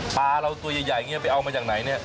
ปลาเราตัวใหญ่ไปเอามาจากไหนนี่